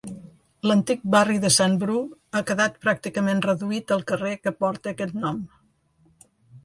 L'antic barri de Sant Bru ha quedat pràcticament reduït al carrer que porta aquest nom.